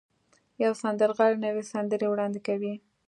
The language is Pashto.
يوه سندرغاړې نوې سندرې وړاندې کوي.